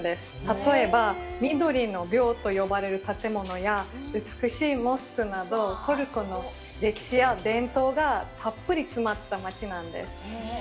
例えば、「緑の廟」と呼ばれる建物や、美しいモスクなど、トルコの歴史や伝統がたっぷり詰まった街なんです。